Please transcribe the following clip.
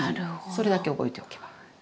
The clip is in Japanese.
それだけ覚えておけば。